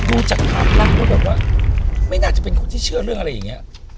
ดูจากครั้งนี้หลังว่าไม่น่าจะเป็นคนที่เชื่อเรื่องอะไรอย่างเนี่ย